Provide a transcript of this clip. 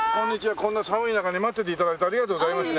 こんな寒い中に待ってて頂いてありがとうございますね。